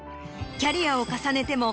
キャリアを重ねても。